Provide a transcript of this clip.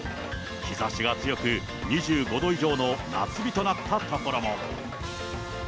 日ざしが強く、２５度以上の夏日となった所も。